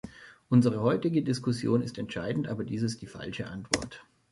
Unsere heutige Diskussion ist entscheidend, aber dies ist die falsche Antwort.